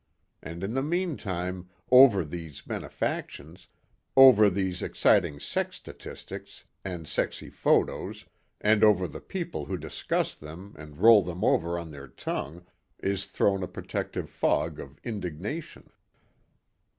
And in the meantime, over these benefactions, over these exciting sex statistics and sexy photos and over the people who discuss them and roll them over on their tongue is thrown a protective fog of indignation."